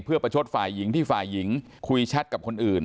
เพื่อประชดฝ่ายหญิงที่ฝ่ายหญิงคุยแชทกับคนอื่น